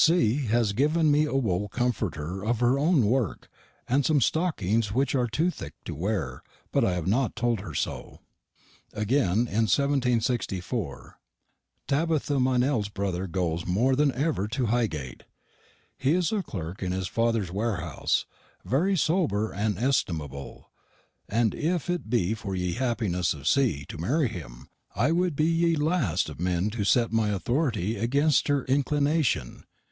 C. has given me a wool comforter of her owne worke, and sum stockings wich are two thick to ware, but I hav not told her so." Again, in 1764: "Tabitha Meynell's brother goes more than ever to Higate. He is a clark in his father's wearhouse; very sober and estimabel, and if it be for ye hapiness of C. to mary him, I wou'd be ye laste of men to sett my orthoritty agenst her enclinashun.